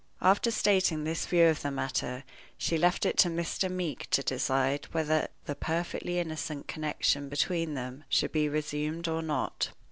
After stating this view of the matter, she left it to Mr. Meeke to decide whether the perfectly innocent connection between them should be resumed or not.